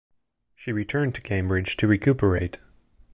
She returned to Cambridge to recuperate.